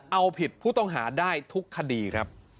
เอาผิดผู้ต้องหาได้ทุกคดีครับ